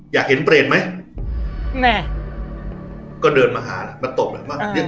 อยากเห็นเปรตไหมแน่ก็เดินมาหาแล้วมาตบแล้ว